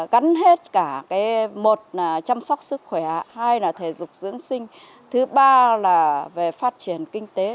cắn hết cả một là chăm sóc sức khỏe hai là thể dục dưỡng sinh thứ ba là về phát triển kinh tế